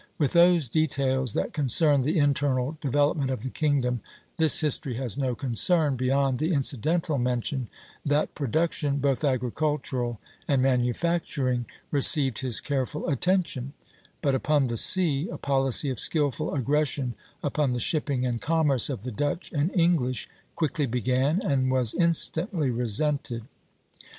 With those details that concern the internal development of the kingdom this history has no concern, beyond the incidental mention that production, both agricultural and manufacturing, received his careful attention; but upon the sea a policy of skilful aggression upon the shipping and commerce of the Dutch and English quickly began, and was instantly resented.